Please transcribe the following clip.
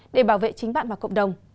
để bảo vệ chính bạn và cộng đồng